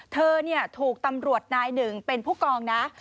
เธอถูกตำรวจนายหนึ่งเป็นผู้กองนะ